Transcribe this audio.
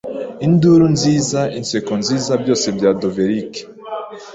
Induru nziza inseko nziza Byose bya dovelike